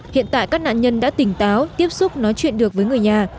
hiện tại các nạn nhân đã tỉnh táo tiếp xúc nói chuyện được với người nhà